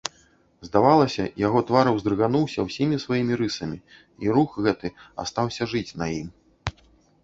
Здавалася, яго твар уздрыгануўся ўсімі сваімі рысамі, і рух гэты астаўся жыць на ім.